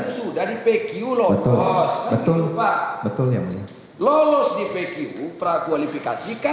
gitu loh pak